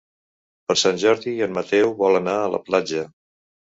Per Sant Jordi en Mateu vol anar a la platja.